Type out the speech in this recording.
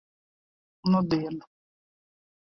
Nudien.